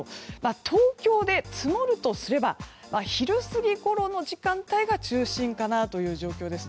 東京で積もるとすれば昼過ぎごろの時間帯が中心かなという状況ですね。